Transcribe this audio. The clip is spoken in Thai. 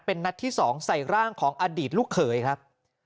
เป็นนัดที่๒ใส่ร่างของอดีตลูกเขยครับ